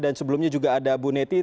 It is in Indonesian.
dan sebelumnya juga ada bu neti